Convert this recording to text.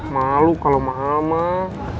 malu kalau mahal mahal